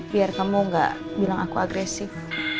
biar kamu gak bilang aku agresif